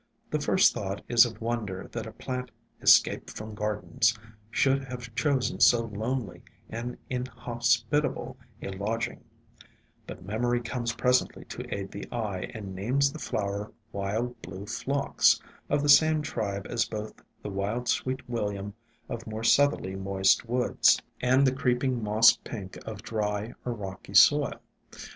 The first thought is of wonder that a plant "escaped from gardens" should have chosen so lonely and in hospitable a lodging ; but memory comes presently to aid the eye, and names the flower Wild Blue Phlox, of the same tribe as both the Wild Sweet William of more southerly moist woods, and the Creeping Moss Pink of dry or rocky soil.